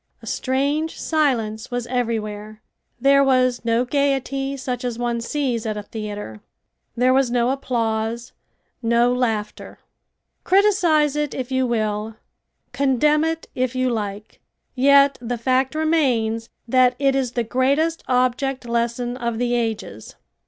A strange silence was everywhere. There was no gaiety such as one sees at a theater. There was no applause, no laughter. Criticise it if you will, condemn it if you like, yet the fact remains that it is the greatest object lesson of the ages.